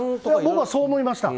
僕はそう思いました。